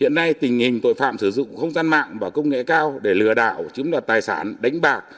hiện nay tình hình tội phạm sử dụng không gian mạng và công nghệ cao để lừa đảo chiếm đoạt tài sản đánh bạc